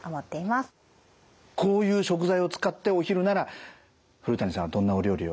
こういう食材を使ってお昼なら古谷さんはどんなお料理を？